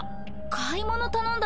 買い物頼んだのよ。